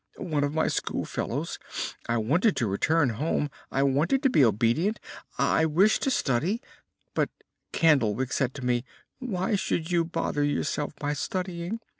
"One of my school fellows. I wanted to return home; I wanted to be obedient. I wished to study, but Candlewick said to me: 'Why should you bother yourself by studying?